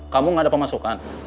kamu nggak ada pemasukan